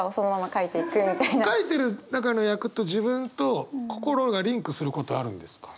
書いてる中の役と自分と心がリンクすることあるんですか？